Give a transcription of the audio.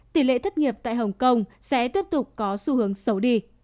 tỷ lệ thất nghiệp tại hồng kông sẽ tiếp tục có xu hướng xấu đi